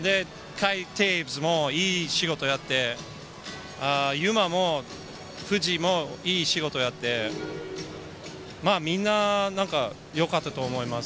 テーブス海もいい仕事やって、祐眞も、藤井もいい仕事をやって、みんなよかったと思います。